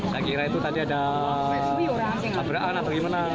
saya kira itu tadi ada tabraan atau gimana